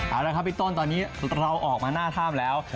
เอาละครับพี่ต้นตอนนี้เราออกมาหน้าถ้ำแล้ว